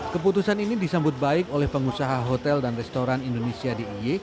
keputusan ini disambut baik oleh pengusaha hotel dan restoran indonesia di i